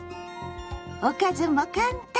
おかずも簡単！